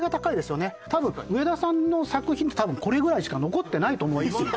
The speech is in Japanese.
上田さんの作品って多分これぐらいしか残ってないと思うんですよ